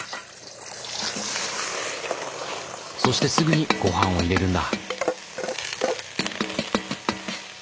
そしてすぐにごはんを入れるんだ。